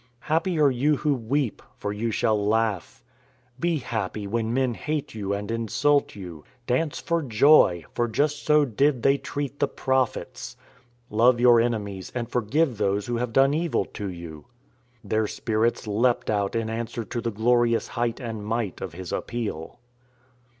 Happy are you who weep, for you shall laugh. Be happy when men hate you and insult you. Dance for joy, for just so did they treat the Prophets. Love your enemies and forgive those who have done evil to you." Their spirits leapt out in answer to the glorious height and might of His appeal.